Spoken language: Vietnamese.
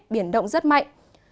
biển động rất mạnh